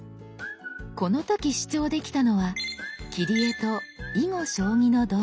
この時視聴できたのは「切り絵」と「囲碁将棋」の動画。